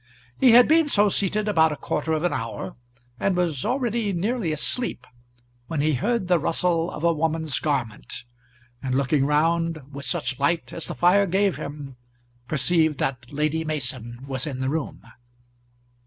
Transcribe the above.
He had been so seated about a quarter of an hour, and was already nearly asleep, when he heard the rustle of a woman's garment, and looking round, with such light as the fire gave him, perceived that Lady Mason was in the room.